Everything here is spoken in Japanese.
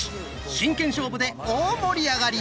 真剣勝負で大盛り上がり！